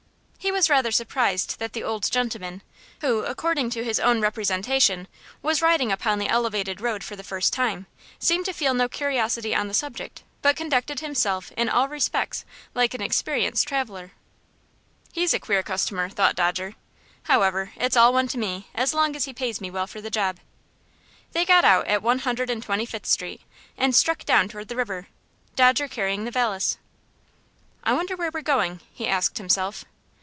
He was rather surprised that the old gentleman, who, according to his own representation, was riding upon the elevated road for the first time, seemed to feel no curiosity on the subject, but conducted himself in all respects like an experienced traveler. "He's a queer customer!" thought Dodger. "However, it's all one to me, as long as he pays me well for the job." They got out at One Hundred and Twenty fifth Street, and struck down toward the river, Dodger carrying the valise. "I wonder where we're going?" he asked himself.